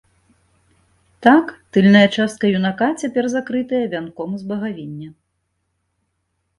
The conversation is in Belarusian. Так, тыльная частка юнака цяпер закрытая вянком з багавіння.